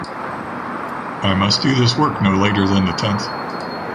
I must do this work no later than the tenth.